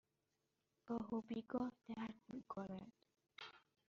گاه و بیگاه درد می کند.